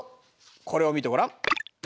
これを見てごらん。